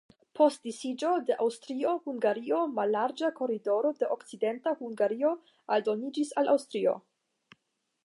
Post disiĝo de Aŭstrio-Hungario mallarĝa koridoro de Okcidenta Hungario aldoniĝis al Aŭstrio.